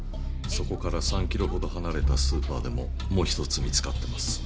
そこから３ｋｍほど離れたスーパーでももう１つ見つかってます。